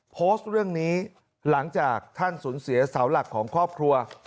โพสต์เรื่องนี้หลังจากท่านสูญเสียเสาหลักของครอบครัว